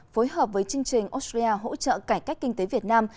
phối hợp với chương trình australia hỗ trợ cải cách kinh tế việt nam